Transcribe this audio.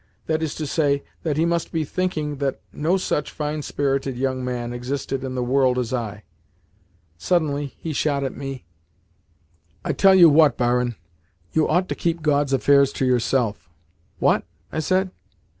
That is to say, that he must be thinking that no such fine spirited young man existed in the world as I. Suddenly he shot at me: "I tell you what, barin. You ought to keep God's affairs to yourself." "What?" I said.